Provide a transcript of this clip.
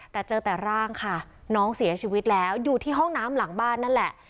แต่เจอแต่ร่างค่ะน้องเสียชีวิตแล้วอยู่ที่ห้องน้ำหลังบ้านนั่นแหละ